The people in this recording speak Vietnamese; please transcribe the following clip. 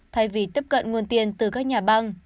thay vì tiếp cận nguồn tiền từ các nhà băng